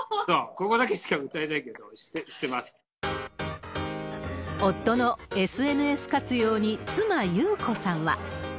ここだけしか歌えな夫のＳＮＳ活用に妻、裕子さんは。